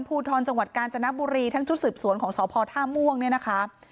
ภูทรจังหวัดกาญจนบุรีทั้งชุดสืบสวนของสพท่าม่วงเนี่ยนะคะ